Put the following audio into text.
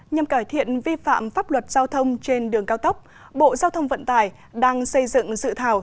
nhằm cải thiện vi phạm pháp luật giao thông trên đường cao tốc bộ giao thông vận tải đang xây dựng dự thảo